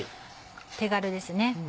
手軽ですね。